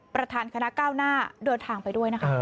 ประธานคณะก้าวหน้าเดินทางไปด้วยนะคะ